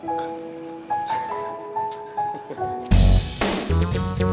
aku ada yang mau makan